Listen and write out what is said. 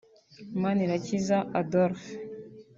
Manirakiza Adolphe